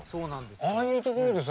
ああいうところでさ